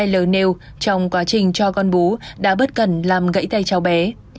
l nêu trong quá trình cho con bú đã bất cần làm gãy tay cháu bé